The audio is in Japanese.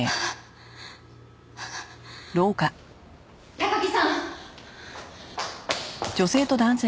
高木さん！